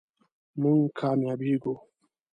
مونږ کامیابیږو